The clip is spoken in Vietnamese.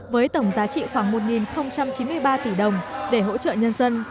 với tổng giá trị khoảng một chín mươi ba tỷ đồng để hỗ trợ nhân dân